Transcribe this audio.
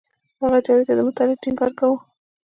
هغه جاوید ته د مطالعې ټینګار کاوه